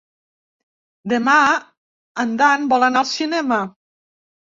Demà en Dan vol anar al cinema.